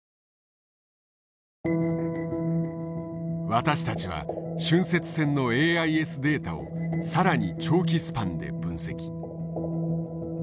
私たちは浚渫船のＡＩＳデータを更に長期スパンで分析。